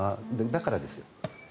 だからです。